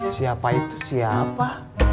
siapa itu siapa